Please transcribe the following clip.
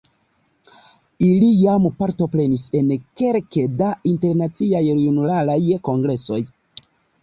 Ili jam partoprenis en kelke da Internaciaj Junularaj Kongresoj.